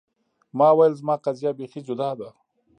ما ویل زما قضیه بیخي جدا ده.